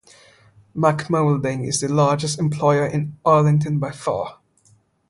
Mack Moulding is the largest employer in Arlington by far.